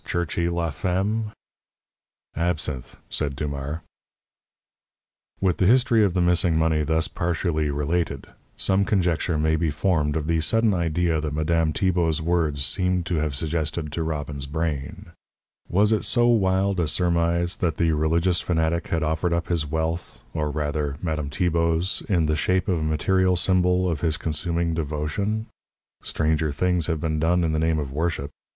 Churchy law fem?" "Absinthe," said Dumars. With the history of the missing money thus partially related, some conjecture may be formed of the sudden idea that Madame Tibault's words seemed to have suggested to Robbins's brain. Was it so wild a surmise that the religious fanatic had offered up his wealth or, rather, Madame Tibault's in the shape of a material symbol of his consuming devotion? Stranger things have been done in the name of worship.